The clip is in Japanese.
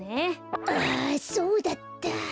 あそうだった。